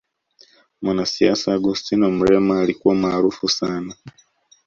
mwanasiasa augustino mrema alikuwa maarufu sana